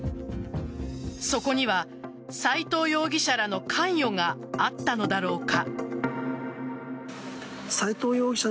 そこには斎藤容疑者らの関与があったのだろうか。